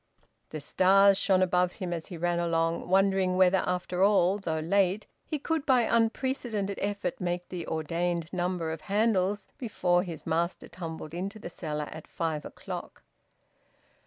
The stars shone above him as he ran along, wondering whether after all, though late, he could by unprecedented effort make the ordained number of handles before his master tumbled into the cellar at five o'clock.